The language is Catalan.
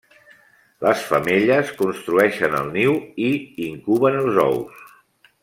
Les femelles construeixen el niu i incuben els ous.